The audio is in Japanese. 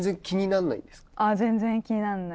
全然、気にならない。